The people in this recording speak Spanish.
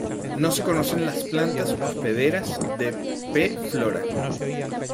No se conocen las plantas hospederas de "P. flora".